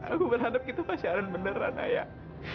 aku berharap itu pacaran beneran ayah